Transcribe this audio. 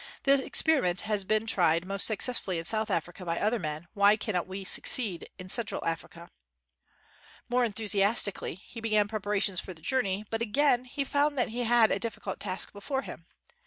The experiment has been tried most successfully in South Africa by other men ; why cannot we succeed in Central Africa ?" Most enthusiastically he began prepara tions for the journey, but again he found that he had a difficult task before him.